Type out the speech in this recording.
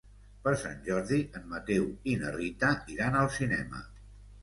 Per Sant Jordi en Mateu i na Rita iran al cinema.